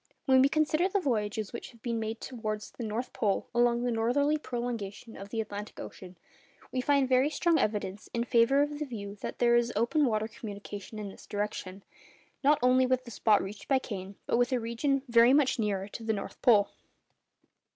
When we consider the voyages which have been made towards the North Pole along the northerly prolongation of the Atlantic Ocean, we find very strong evidence in favour of the view that there is open water communication in this direction, not only with the spot reached by Kane, but with a region very much nearer to the North Pole.